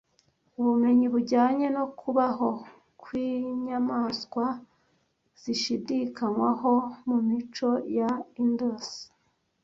Ubumenyi bujyanye no kubaho kwinyamaswa zishidikanywaho mumico ya Indus